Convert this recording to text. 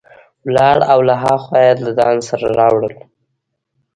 ولاړ او له ها خوا یې له ځان سره راوړل.